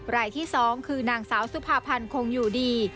รายที่๒คือนางสาวสุภาพันธ์คงอยู่ดี